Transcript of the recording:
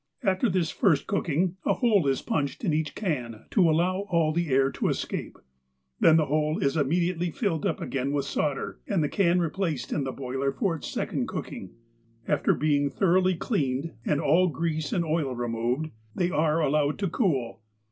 After this first cooking, a hole is punched in each can, to allow all air to escape. Then the hole is immediately filled up again with solder, and the can replaced in the boiler for Its second cooking. After being thoroughly cleaned, and all grease and oil removed, they are allowed to cool.